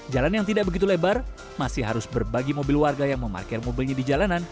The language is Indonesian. jalan yang tidak begitu lebar masih harus berbagi mobil warga yang memarkir mobilnya di jalanan